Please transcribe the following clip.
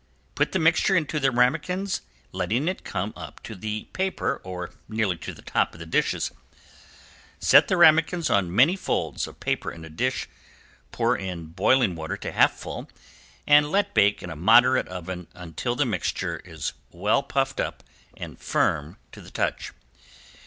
Put the mixture into the ramequins letting it come up to the paper or nearly to the top of the dishes. Set the ramequins on many folds of paper in a dish, pour in boiling water to half fill, and let bake in a moderate oven until the mixture is well puffed up and firm to the touch.